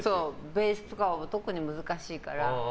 ベースとかは特に難しいから。